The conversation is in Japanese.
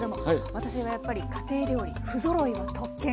私はやっぱり「家庭料理不ぞろいは特権」